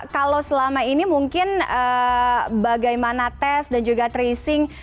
kalau selama ini mungkin bagaimana tes dan juga tracing